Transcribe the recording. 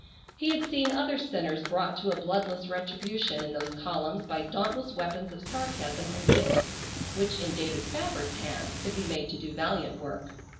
He had seen other sinners brought to a bloodless retribution in those columns by dauntless weapons of sarcasm and wit which in David Spafford's hands could be made to do valiant work.